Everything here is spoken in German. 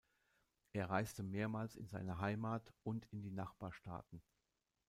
Er reiste mehrmals in seine Heimat und in die Nachbarstaaten.